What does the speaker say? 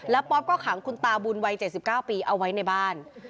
แล้วป๊อปก็ขังคุณตาบุญวัย๗๙ปีเอาไว้ในบ้าน